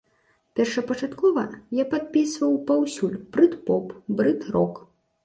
Я першапачаткова падпісваў паўсюль брыт-поп, брыт-рок.